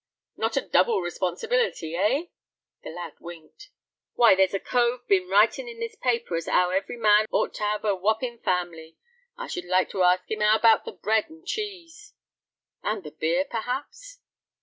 "Not a double responsibility, eh?" The lad winked. "Why, there's a cove bin writin' in this paper as 'ow every man ought t' have a woppin' fam'ly. I sh'ld like to ask 'im, ''ow about the bread and cheese?'" "And the beer, perhaps?"